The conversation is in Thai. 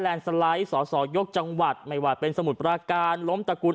แรนด์สไลด์ศศยกจังหวัดไม่ว่าเป็นสมุดปราการล้อมตระกูน